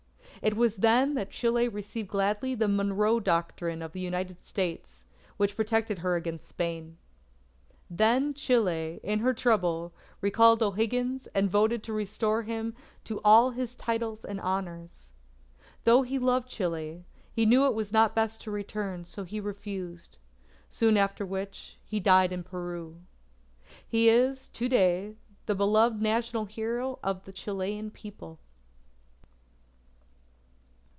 It was then that Chile received gladly the Monroe Doctrine of the United States, which protected her against Spain. Then Chile, in her trouble, recalled O'Higgins and voted to restore him to all his titles and honours. Though he loved Chile, he knew it was not best to return, so he refused. Soon after which, he died in Peru. He is, to day, the beloved National Hero of the Chilean People.